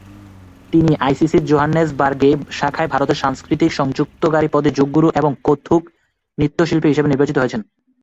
তিনি আইসিসি জোহানেসবার্গে শাখায় ভারতের সাংস্কৃতিক সংযুক্তকারী পদে "যোগ গুরু" এবং কত্থক নৃত্যশিল্পী হিসাবে নির্বাচিত হয়েছেন।